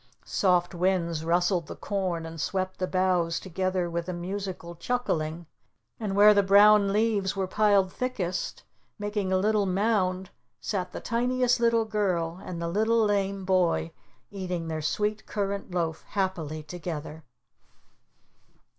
Soft winds rustled the corn, and swept the boughs together with a musical chuckling. And where the brown leaves were piled thickest, making a little mound, sat the Tiniest Little Girl and the Little Lame Boy, eating their sweet currant loaf happily together.